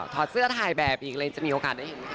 อดเสื้อถ่ายแบบอีกเลยจะมีโอกาสได้เห็นไหมคะ